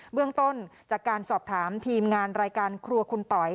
เรื่องต้นจากการสอบถามทีมงานรายการครัวคุณต๋อย